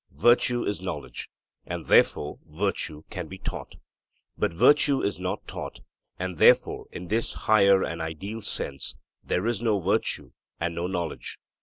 Virtue is knowledge, and therefore virtue can be taught. But virtue is not taught, and therefore in this higher and ideal sense there is no virtue and no knowledge.